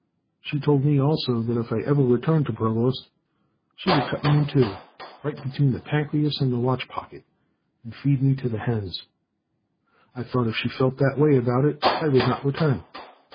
She told me, also, that if I ever returned to Provost she would cut me in two right between the pancreas and the watch pocket and feed me to the hens. "I thought if she felt that way about it I would not return.